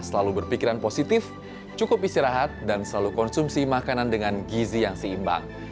selalu berpikiran positif cukup istirahat dan selalu konsumsi makanan dengan gizi yang seimbang